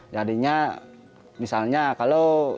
jadinya misalnya kalau